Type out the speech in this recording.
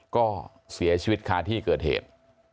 ก็เสียชีวิตคาที่เกิดเหตุ